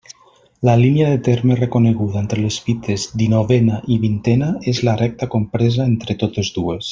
La línia de terme reconeguda entre les fites dinovena i vintena és la recta compresa entre totes dues.